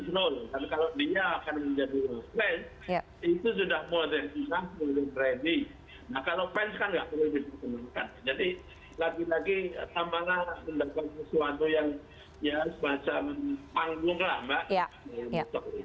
jadi lagi lagi tambahlah pendapat seseorang yang ya semacam panggung lama untuk maksud ini